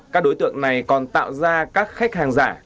các đối tượng này còn tạo ra các khách hàng giả